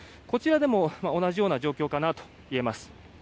こちらでも同じような状況かなと言えます。